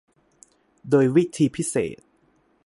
โดยวิธีพิเศษ